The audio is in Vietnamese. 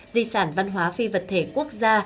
di sản văn hóa phi vật thể quốc gia